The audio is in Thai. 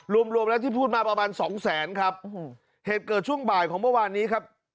รวมรวมแล้วที่พูดมาประมาณสองแสนครับเหตุเกิดช่วงบ่ายของเมื่อวานนี้ครับ